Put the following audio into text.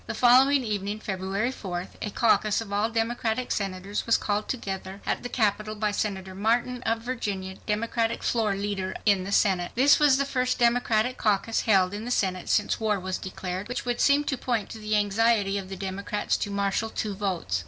The following evening, February 4th, a caucus of all Democratic Senators was called together at the Capitol by Senator Martin of Virginia, Democratic floor leader in the Senate. This was the first Democratic caucus held in the Senate since war was declared, which would seem to point to the anxiety of the Democrats to marshal two votes.